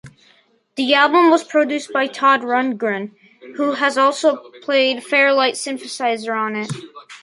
The album was produced by Todd Rundgren, who also played Fairlight synthesizer on it.